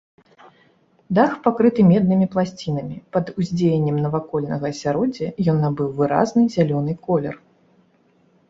Дах пакрыты меднымі пласцінамі, пад уздзеяннем навакольнага асяроддзя ён набыў выразны зялёны колер.